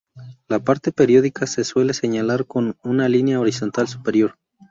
La parte periódica se suele señalar con una línea horizontal superior.